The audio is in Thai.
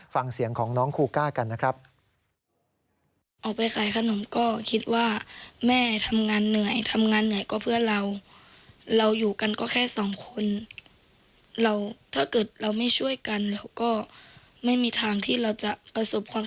ฟังเสียงของน้องครูก้ากันนะครับ